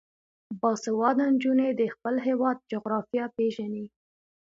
باسواده نجونې د خپل هیواد جغرافیه پیژني.